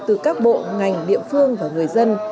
từ các bộ ngành địa phương và người dân